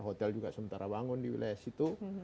hotel juga sementara bangun di wilayah situ